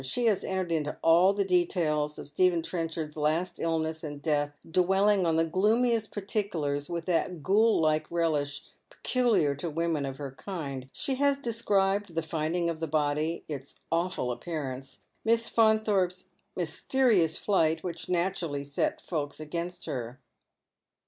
She has entered into all the details of Stephen Trenchard's last illness and death, dwelling on the gloomiest particulars with that ghoul like relish peculiar to women of her kind. She has described the tinding of the body — its awful appearance — Miss Faunthorpe's mysterious flight, "which naturally set folks against her."